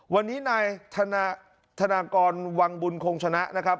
วันนี้นายธนากรวังบุญคงชนะนะครับ